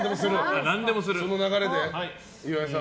その流れで、岩井さん。